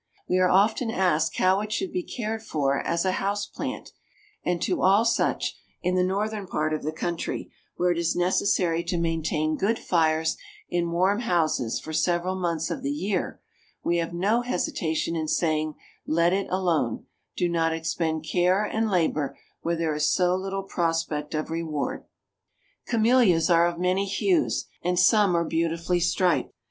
We are often asked how it should be cared for as a house plant, and to all such, in the northern part of the country, where it is necessary to maintain good fires in warm houses for several months of the year, we have no hesitation in saying, let it alone, do not expend care and labor where there is so little prospect of reward." Camellias are of many hues, and some are beautifully striped.